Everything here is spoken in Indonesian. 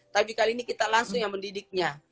tapi kali ini kita langsung yang mendidiknya